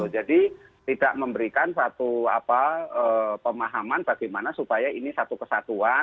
tidak memberikan satu pemahaman bagaimana supaya ini satu kesatuan